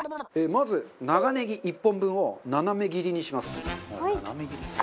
まず、長ねぎ１本分を斜め切りにします。